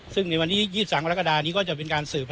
ซึ่งในวันนี้๒๓กรกฎานี้ก็จะ